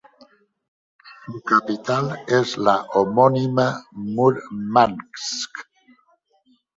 Su capital es la homónima Múrmansk.